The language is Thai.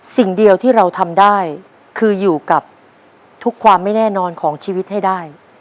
สิ่งเดียวที่เราทำได้คืออยู่กับทุกความไม่แน่นอนของชีวิตให้ได้